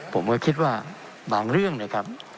ผมก็คิดว่าบางเรื่องนะครับ